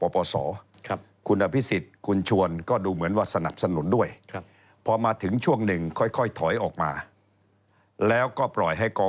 โปรดติดตามต่อไป